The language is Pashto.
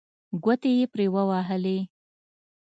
ګوتې یې پرې ووهلې.